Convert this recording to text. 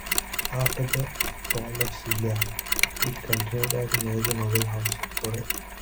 After the fall of Silla, it continued as a major noble house of Goryeo.